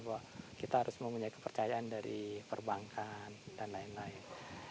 bahwa kita harus mempunyai kepercayaan dari perbankan dan lain lain